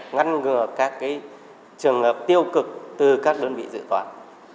ngăn ngừa các trường hợp tiêu cực từ các đơn vị dự toán